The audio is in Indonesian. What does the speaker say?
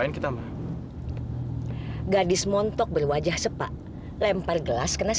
ya allah nek dewi pergi sekarang